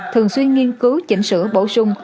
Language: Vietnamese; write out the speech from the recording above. thường xuyên nghiên cứu chỉnh sửa bổ sung